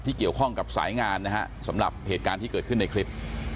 เกี่ยวข้องกับสายงานนะฮะสำหรับเหตุการณ์ที่เกิดขึ้นในคลิป